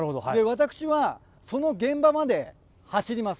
私は、その現場まで走ります。